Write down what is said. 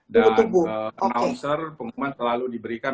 dan announcer pengumuman selalu diberikan